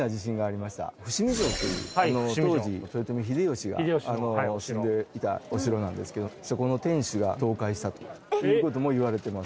伏見城という当時豊臣秀吉が住んでいたお城なんですけどそこの天守が倒壊したという事もいわれてます。